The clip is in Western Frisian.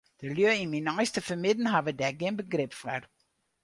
De lju yn myn neiste fermidden hawwe dêr gjin begryp foar.